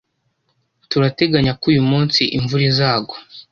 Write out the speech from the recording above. Turateganya ko uyu munsi imvura izagwa.